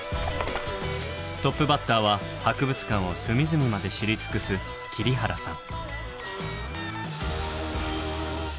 トップバッターは博物館を隅々まで知り尽くす切原さん。